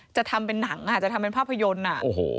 จะทำเป็นหนังอ่ะจะทำเป็นภาพยนตร์